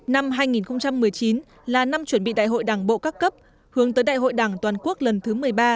năm hai nghìn một mươi chín là năm chuẩn bị đại hội đảng bộ các cấp hướng tới đại hội đảng toàn quốc lần thứ một mươi ba